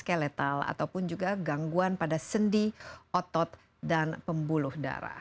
melampaui penyakit muskoskeletal dan gangguan pada sendi otot dan pembuluh darah